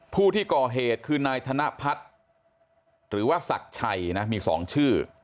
ผู้ที่ก่อเหตุคือนายธนพัฒน์หรือว่าศักดิ์ชัยนะมี๒ชื่อ